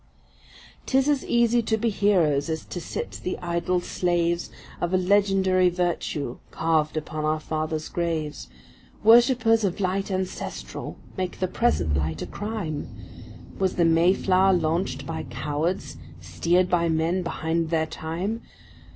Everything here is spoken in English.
’Tis as easy to be heroes as to sit the idle slaves Of a legendary virtue carved upon our father’s graves, Worshippers of light ancestral make the present light a crime;— Was the Mayflower launched by cowards, steered by men behind their time?